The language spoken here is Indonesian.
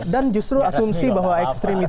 dan justru asumsi bahwa ekstrim itu